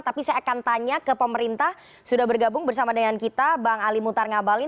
tapi saya akan tanya ke pemerintah sudah bergabung bersama dengan kita bang ali mutar ngabalin